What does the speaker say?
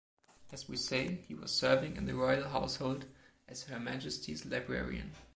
As we say, he was serving in the Royal Household as Her Majesty’s librarian.